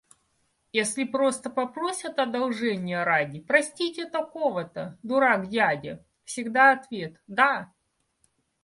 Если просто попросят одолжения ради — простите такого-то — дурак-дядя, — всегда ответ: да!